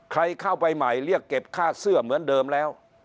ใครเข้าไปใหม่เรียกเก็บค่าเสื้อเหมือนเดิมแล้ว